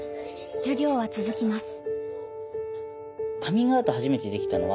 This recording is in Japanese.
授業は続きます。